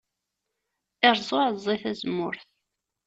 Iṛẓa uɛeẓẓi tazemmurt.